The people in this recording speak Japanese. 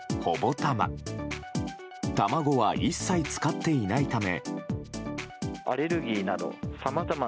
卵は一切使っていないため。